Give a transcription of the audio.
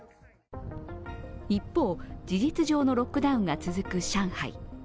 一方、事実上のロックダウンが続く上海。